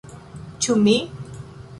Ĉu mi?